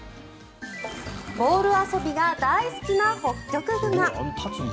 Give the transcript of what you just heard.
ボール遊びが大好きなホッキョクグマ。